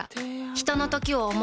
ひとのときを、想う。